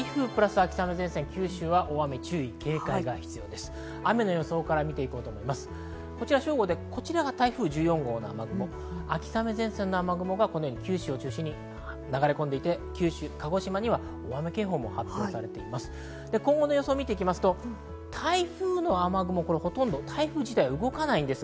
秋雨前線の雨雲が九州を中心に流れ込んでいて鹿児島には大雨警報も発表されています。